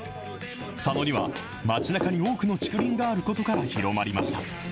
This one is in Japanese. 佐野には、町なかに多くの竹林があることから広まりました。